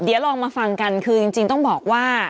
เดี๋ยวลองมาฟังกันคือจริงต้องบอกว่า